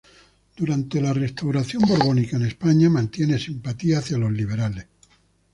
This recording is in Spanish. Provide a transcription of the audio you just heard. Durante la Restauración borbónica en España mantiene simpatías hacia los liberales.